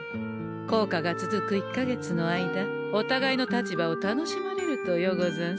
効果が続く１か月の間おたがいの立場を楽しまれるとようござんすねえ。